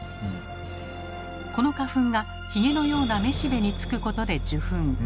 この花粉がヒゲのようなめしべにつくことで受粉。